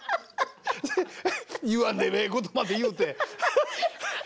言わんでもええことまで言うて。